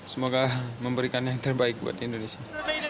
semoga memberikan yang terbaik buat indonesia